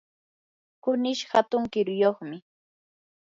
kunish hatun kiruyuqmi.